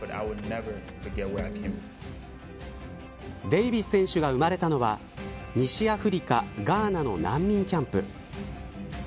デイヴィス選手が生まれたのは西アフリカガーナの難民キャンプ。